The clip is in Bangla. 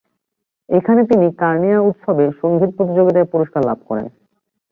এখানে তিনি কার্নিয়া উৎসবে সঙ্গীত প্রতিযোগিতায় পুরস্কার লাভ করেন।